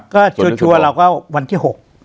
ก็ชัวร์เราก็วันที่๖